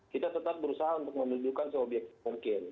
kita tetap berusaha untuk menunjukkan seobjektif mungkin